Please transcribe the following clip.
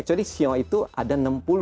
sebenarnya siu itu ada enam puluh